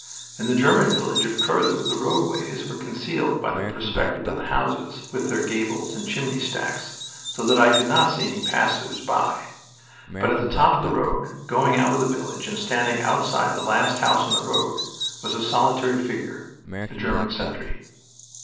In the German village of Curlu the roadways were concealed by the perspective of the houses, with their gables and chimney stacks, so that I could not see any passers by. But at the top of the road, going out of the village and standing outside the last house on the road, was a solitary figure a German sentry.